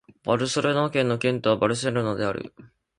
バルセロナ県の県都はバルセロナである